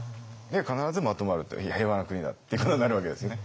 必ずまとまるという平和な国だってことになるわけですね。